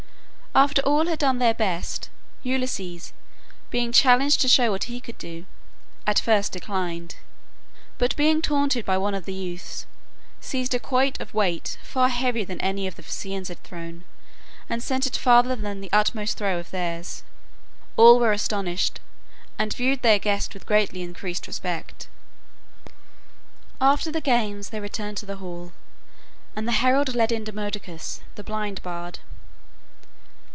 After all had done their best, Ulysses being challenged to show what he could do, at first declined, but being taunted by one of the youths, seized a quoit of weight far heavier than any of the Phaeacians had thrown, and sent it farther than the utmost throw of theirs. All were astonished, and viewed their guest with greatly increased respect. After the games they returned to the hall, and the herald led in Demodocus, the blind bard